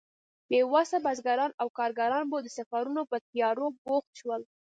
بې وسه بزګران او کارګران به د سفرونو په تيارو بوخت شول.